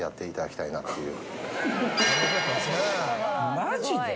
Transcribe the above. マジで？